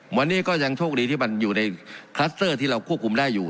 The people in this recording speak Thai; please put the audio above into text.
วันนี้ก็ยังโชคดีที่มันอยู่ในคลัสเตอร์ที่เราควบคุมได้อยู่